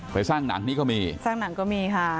สร้างหนังนี้ก็มีสร้างหนังก็มีค่ะ